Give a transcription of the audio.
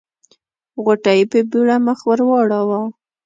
غوټۍ په بيړه مخ ور واړاوه.